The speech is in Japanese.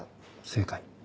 正解。